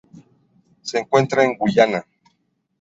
Se encuentra en Guyana.